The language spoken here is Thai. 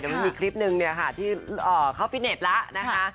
เดี๋ยวมีคลิปนึงที่เขาฟิตเนตแล้วนะคะ